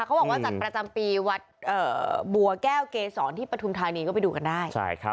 หรือว่าจัดประจำปีวัดบัวแก้วเกษรที่ประทุนทายนี้ก็ไปดูกันได้